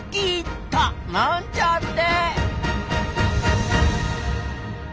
なんちゃって！